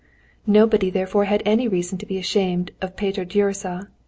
Nobody therefore had any reason to be ashamed of Peter Gyuricza.